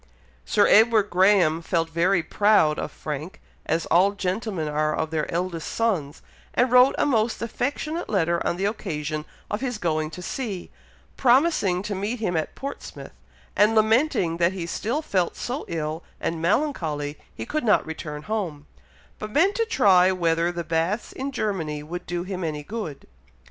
Sir Edward Graham felt very proud of Frank, as all gentlemen are of their eldest sons, and wrote a most affectionate letter on the occasion of his going to sea, promising to meet him at Portsmouth, and lamenting that he still felt so ill and melancholy he could not return home, but meant to try whether the baths in Germany would do him any good.